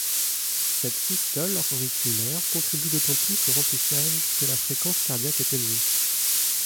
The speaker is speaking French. Cette systole auriculaire contribue d'autant plus au remplissage que la fréquence cardiaque est élevée.